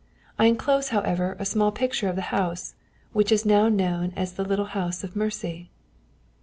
I enclose, however, a small picture of the house, which is now known as the little house of mercy."